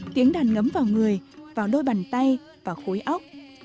tiếng đàn ngấm vào người vào đôi bàn tay vào khối óc